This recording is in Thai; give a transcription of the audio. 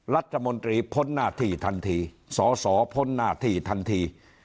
รัฐมนตรีพ้นหน้าที่ทันทีสสพ้นหน้าที่ทันที